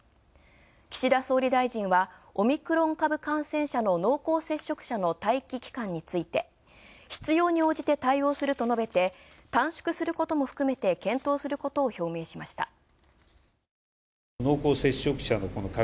岸田総理大臣はオミクロン株感染者の濃厚接触者の待機期間について必要に応じて対応すると述べて、短縮することも含めて検討することを表明しました。